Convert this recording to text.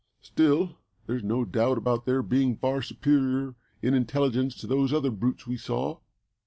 Still, there's no doubt about their being far superior in intelligence to those other brutes we saw.